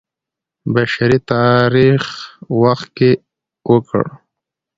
بشر تاریخ وخت کې وکړ.